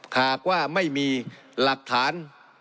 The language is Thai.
หากว่าไม่มีหลักฐาน